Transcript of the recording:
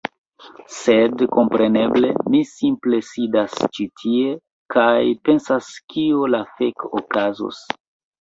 Sed, kompreneble, mi simple sidas ĉi tie kaj pensas kio la fek okazos?